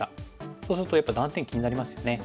そうするとやっぱり断点気になりますよね。